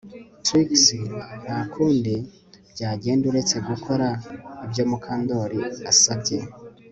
Trix nta kundi byagenda uretse gukora ibyo Mukandoli asabye